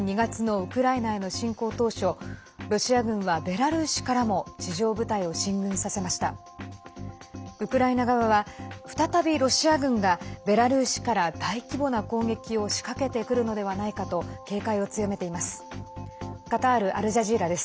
ウクライナ側は、再びロシア軍がベラルーシから大規模な攻撃を仕掛けてくるのではないかと警戒を強めています。